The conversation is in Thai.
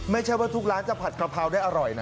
ไม่ใช่ว่าทุกร้านจะผัดกะเพราได้อร่อยนะ